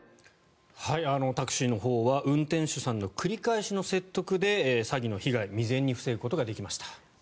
タクシーのほうは運転手さんの繰り返しの説得で詐欺の被害を未然に防ぐことができました。